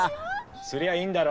すりゃあいいんだろ！